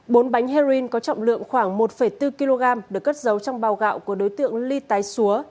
bốn bánh heroin có trọng lượng khoảng một bốn kg được cất giấu trong bào gạo của đối tượng ly tái xúa